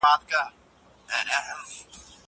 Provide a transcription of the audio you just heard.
زه کولای سم کار وکړم!